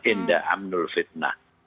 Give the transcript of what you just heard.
indah amnul fitnah